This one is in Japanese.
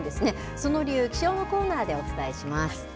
その理由、気象のコーナーでお伝えします。